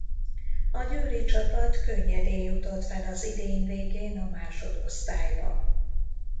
A győri csapat könnyedén jutott fel az idény végén a másodosztályba.